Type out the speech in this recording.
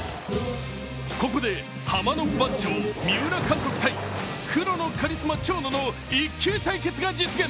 ここでハマの番長・三浦監督対黒のカリスマ・蝶野との１球対決が実現